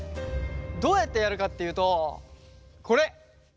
どうやってやるかっていうとこれ。